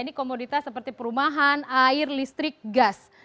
ini komoditas seperti perumahan air listrik gas